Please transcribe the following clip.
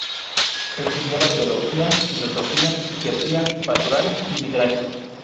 Enseñaba teología, filosofía, psiquiatría pastoral y midrash.